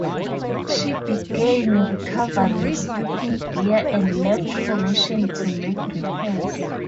She began recovering sweeping gear and left formation to make repairs.